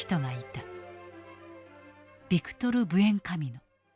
ビクトル・ブエンカミノ。